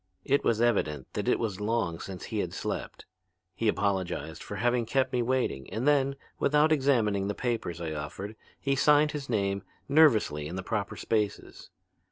It was evident that it was long since he had slept. He apologized for having kept me waiting and then, without examining the papers I offered, he signed his name nervously in the proper spaces.